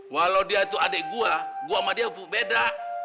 walau dia itu adik gue gua sama dia beda